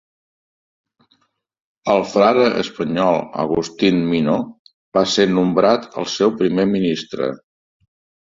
El frare espanyol Agustin Mino va ser nombrat el seu primer ministre.